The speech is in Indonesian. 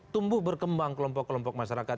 tumbuh berkembang kelompok kelompok masyarakat